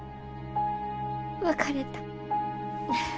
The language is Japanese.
別れた。